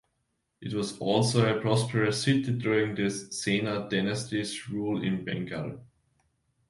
It was also a prosperous city during the Sena dynasty's rule in Bengal.